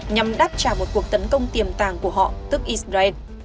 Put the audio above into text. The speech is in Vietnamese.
nhằm đáp trả một cuộc tấn công tiềm tàng của họ tức israel